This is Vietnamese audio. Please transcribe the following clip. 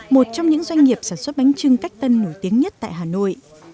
một trong những doanh nghiệp sản xuất bánh trưng cách tân nổi tiếng nhất tại hà nội